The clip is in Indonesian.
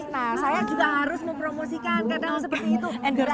nah saya juga harus mempromosikan kadang seperti itu